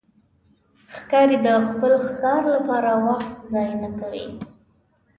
ښکاري د خپل ښکار لپاره وخت ضایع نه کوي.